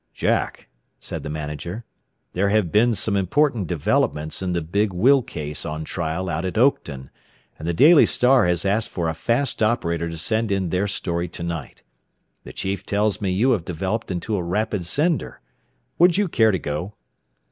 "Jack," said the manager, "there have been some important developments in the big will case on trial out at Oakton, and the 'Daily Star' has asked for a fast operator to send in their story to night. The chief tells me you have developed into a rapid sender. Would you care to go?"